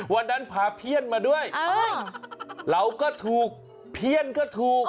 พาเพี้ยนมาด้วยเราก็ถูกเพี้ยนก็ถูก